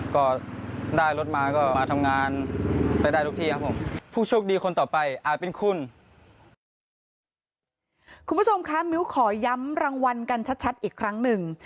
คุณผู้ชมคะมิ้วขอย้ำรางวัลกันชัดอีกครั้งหนึ่ง